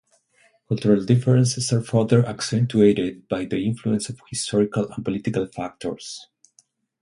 Cultural differences are further accentuated by the influence of historical and political factors.